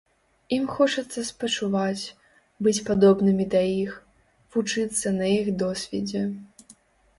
Ім хочацца спачуваць, быць падобнымі да іх, вучыцца на іх досведзе.